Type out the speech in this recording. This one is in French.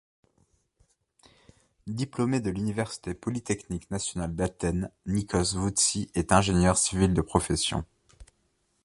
Diplômé de l'université polytechnique nationale d'Athènes, Níkos Voútsis est ingénieur civil de profession.